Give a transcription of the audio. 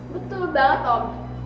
betul banget om